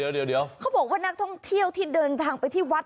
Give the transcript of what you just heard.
เดี๋ยวเขาบอกว่านักท่องเที่ยวที่เดินทางไปที่วัด